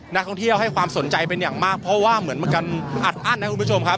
นักท่องเที่ยวให้ความสนใจเป็นอย่างมากเพราะว่าเหมือนมันกันอัดอั้นนะคุณผู้ชมครับ